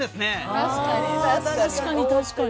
あ確かに。